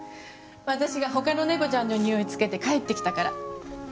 私が他の猫ちゃんのにおいつけて帰ってきたから。